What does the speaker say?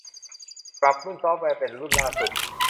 ปรับรุ่นซอฟต์แวร์เป็นรุ่นล่าสุด